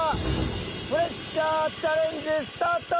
プレッシャーチャレンジスタート！